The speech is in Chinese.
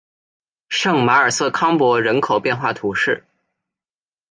圣马尔瑟康珀人口变化图示